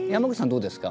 どうですか？